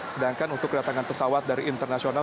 sedangkan untuk kedatangan pesawat dari internasional